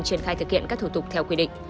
triển khai thực hiện các thủ tục theo quy định